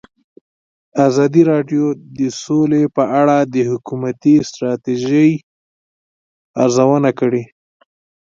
ازادي راډیو د سوله په اړه د حکومتي ستراتیژۍ ارزونه کړې.